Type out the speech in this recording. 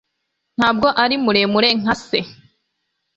Ntabwo ari muremure nka se